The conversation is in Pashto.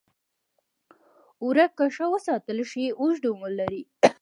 اوړه که ښه وساتل شي، اوږد عمر لري